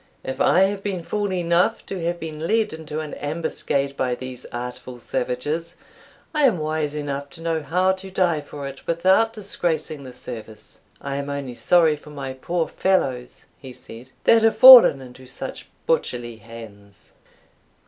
If I have been fool enough to have been led into an ambuscade by these artful savages, I am wise enough to know how to die for it without disgracing the service. I am only sorry for my poor fellows," he said, "that have fallen into such butcherly hands."